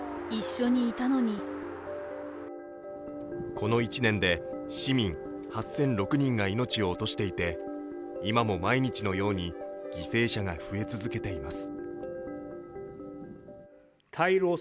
この１年で市民８００６人が命を落としていて、今も毎日のように犠牲者が増え続けています。